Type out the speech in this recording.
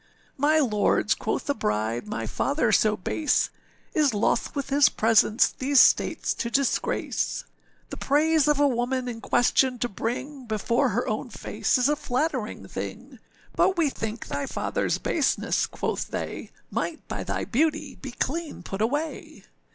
â âMy lords,â quoth the bride, âmy father so base Is loth with his presence these states to disgrace.â âThe praise of a woman in question to bring, Before her own face is a flattering thing; But we think thy fatherâs baseness,â quoth they, âMight by thy beauty be clean put away.